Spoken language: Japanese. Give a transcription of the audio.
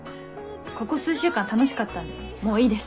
ここ数週間楽しかったんでもういいです。